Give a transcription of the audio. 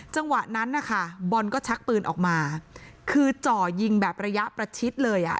จังหวะนั้นนะคะบอลก็ชักปืนออกมาคือจ่อยิงแบบระยะประชิดเลยอ่ะ